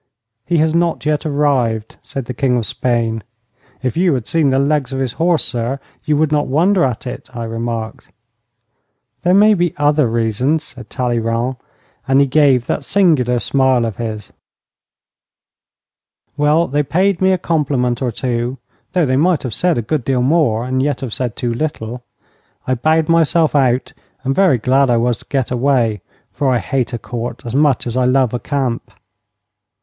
'He has not yet arrived,' said the King of Spain. 'If you had seen the legs of his horse, sire, you would not wonder at it,' I remarked. 'There may be other reasons,' said Talleyrand, and he gave that singular smile of his. Well, they paid me a compliment or two, though they might have said a good deal more and yet have said too little. I bowed myself out, and very glad I was to get away, for I hate a Court as much as I love a camp.